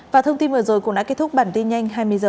và thông tin vừa rồi cũng đã kết thúc bản tin nhanh hai mươi h